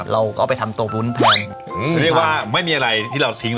เราก็เอาไปทำตัววุ้นแทนเรียกว่าไม่มีอะไรที่เราทิ้ง